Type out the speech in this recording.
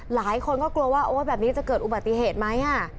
หลายคนก็กลัวว่าโอ๊ยแบบนี้จะเกิดอุบัติเหตุไหม